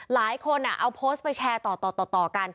หลายคนเอาโพสต์ไปแชร์ต่อกัน